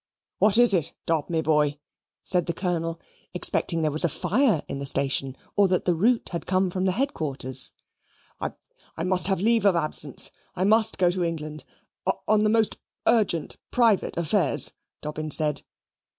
"What is it, Dob, me boy?" said the Colonel, expecting there was a fire in the station, or that the route had come from headquarters. "I I must have leave of absence. I must go to England on the most urgent private affairs," Dobbin said.